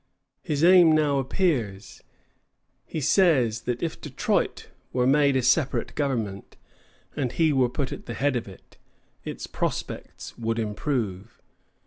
His aim now appears. He says that if Detroit were made a separate government, and he were put at the head of it, its prospects would improve.